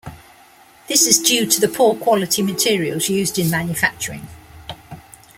This is due to the poor quality materials used in manufacturing.